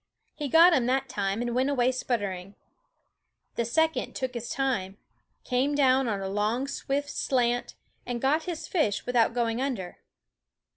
He got him that time and went away sputter ing. The second took his time, came down on a long swift slant, and got his fish without going under.